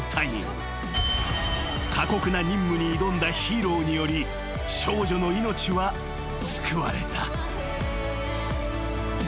［過酷な任務に挑んだヒーローにより少女の命は救われた］